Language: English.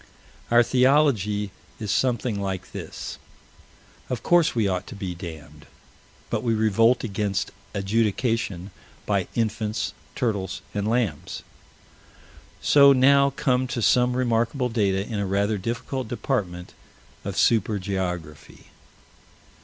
Our theology is something like this: Of course we ought to be damned but we revolt against adjudication by infants, turtles, and lambs. We now come to some remarkable data in a rather difficult department of super geography.